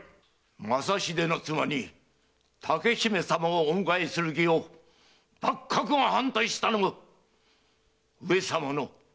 正秀の妻に竹姫様をお迎えする儀を幕閣が反対したのも上様のお指図でした。